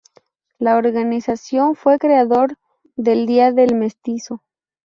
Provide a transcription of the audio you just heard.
La organización fue creador del Día del Mestizo.